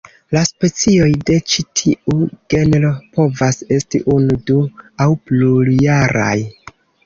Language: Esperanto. La specioj de ĉi tiu genro povas esti unu, du- aŭ plurjaraj.